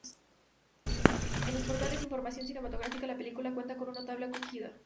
En los portales de información cinematográfica, la película cuenta con una notable acogida.